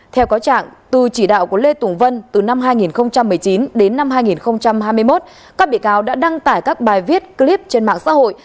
theo có trạng từ chỉ đạo của lê tùng vân từ năm hai nghìn một mươi chín đến năm hai nghìn hai mươi một các bị cáo đã đăng tải các bài viết clip trên mạng xã hội